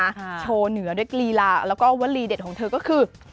โชว์เหนือด้วยกลีลาแล้วก็วลีเด็ดของเธอก็คือ